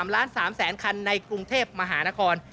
๓๓ล้านคันในกรุงเทพมหานคร